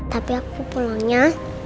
tapi aku pulangnya